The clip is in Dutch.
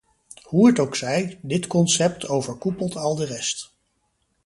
Hoe het ook zij, dit concept overkoepelt al de rest.